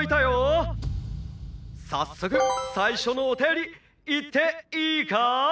さっそくさいしょのおたよりいっていイカ？」。